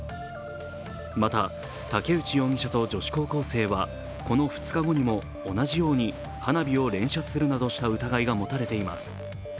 また竹内容疑者と女子高校生はこの２日後にも同じように花火を連射するなどした疑いが持たれています。